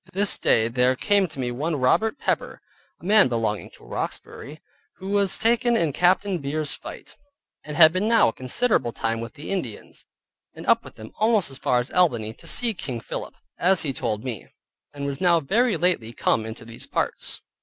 This day there came to me one Robert Pepper (a man belonging to Roxbury) who was taken in Captain Beers's fight, and had been now a considerable time with the Indians; and up with them almost as far as Albany, to see King Philip, as he told me, and was now very lately come into these parts.